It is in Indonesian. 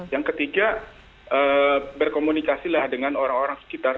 yang ketiga berkomunikasi dengan orang orang sekitar